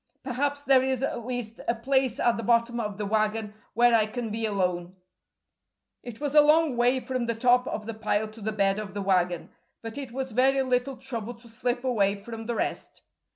Perhaps there is at least a place at the bottom of the wagon where I can be alone." It was a long way from the top of the pile to the bed of the wagon, but it was very little trouble to slip away from the rest.